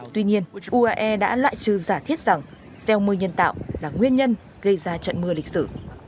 tuy nhiên uae đã loại trừ giả thiết rằng gieo mưa nhân tạo là nguyên nhân gây ra trận mưa lịch sử